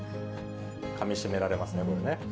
かみしめられますよね、これね。